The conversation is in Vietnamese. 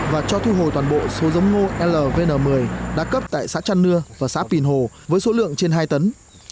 và cho thu hồi toàn bộ số giống ngô lvn một mươi đã cấp tại xã trăn nưa và xã pìn hồ với số lượng trên hai tấn